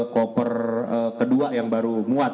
koper kedua yang baru muat